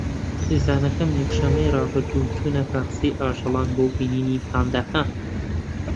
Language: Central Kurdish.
خێزانەکەم یەکشەممەی ڕابردوو چوونە باخچەی ئاژەڵان بۆ بینینی پانداکان.